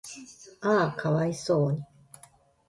嗚呼可哀想に